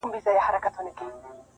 • او د کاغذ مخ په رنګین کړي -